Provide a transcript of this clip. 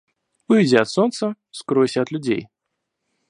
Уйди от солнца, скройся от людей.